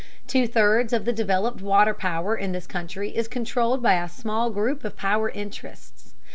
Two thirds of the developed water power in this country is controlled by a small group of power interests.